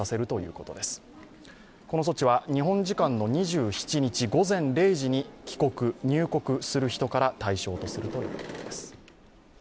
この措置は日本時間の２７日午前０時に帰国・入国する人から対象とするということです。